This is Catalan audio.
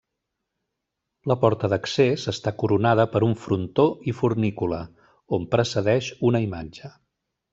La porta d'accés està coronada per un frontó i fornícula, on precedeix una imatge.